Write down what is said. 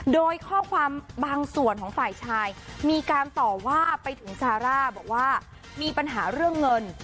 โดยข้อความบางส่วนของฝ่ายชายมีการต่อว่าไปถึงซาร่าบอกว่ามีปัญหาเรื่องเงิน